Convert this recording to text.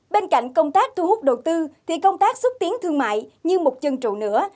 bên cạnh công tác thu hút đầu tư thì công tác xúc tiến thương mại như một chân trụ nữa